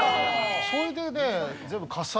それでね。